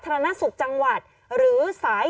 กล้องกว้างอย่างเดียว